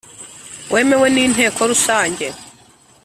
wemewe n Inteko Rusange